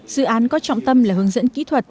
dự án có trọng tâm là hướng dẫn kỹ thuật